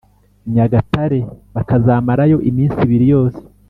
nyagatare bakazamarayo iminsi ibiri yose”